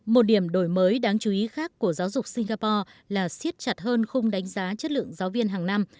một điểm đổi mới đáng chú ý khác của giáo dục singapore là siết chặt hơn khung đánh giá chất lượng giáo viên hàng năm